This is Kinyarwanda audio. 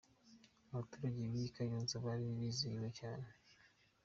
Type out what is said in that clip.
Abaturage b'i Kayonza bari bizihiwe cyane.